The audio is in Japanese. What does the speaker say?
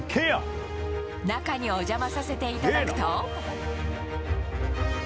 中にお邪魔させていただくと。